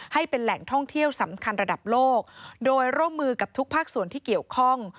ให้เป็นแหล่งท่องเที่ยวสำคัญระดับโลกโดยร่วมมือกับทุกภาคส่วนที่เกี่ยวข้อง